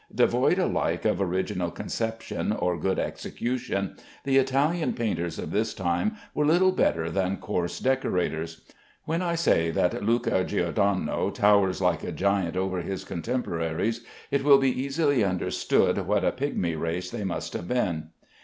Devoid alike of original conception or good execution, the Italian painters of this time were little better than coarse decorators. When I say that Luca Giordano towers like a giant over his contemporaries, it will be easily understood what a pigmy race they must have been.